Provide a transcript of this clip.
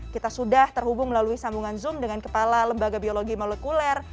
kita sudah terhubung melalui sambungan zoom dengan kepala lembaga biologi molekuler